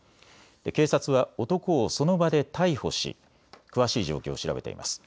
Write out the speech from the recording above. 警察は男をその場で逮捕し、詳しい状況を調べています。